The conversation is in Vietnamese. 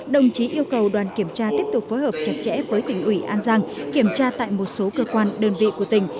đồng chí yêu cầu đoàn kiểm tra tiếp tục phối hợp chặt chẽ với tỉnh ủy an giang kiểm tra tại một số cơ quan đơn vị của tỉnh